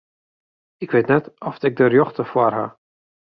Ik wit net oft ik de rjochte foar haw.